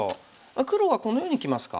黒はこのようにきますか。